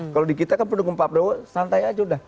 kalau di kita kan pendukung pak prabowo santai aja udah